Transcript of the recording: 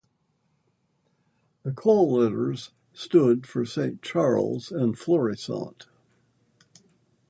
The call letters stood for Saint Charles and Florissant.